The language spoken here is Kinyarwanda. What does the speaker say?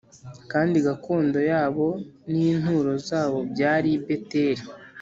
Kandi gakondo yabo n inturo zabo byari i Beteli.